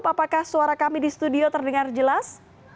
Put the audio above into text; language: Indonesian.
pak wagup apakah suara kami di studio terdengar jelas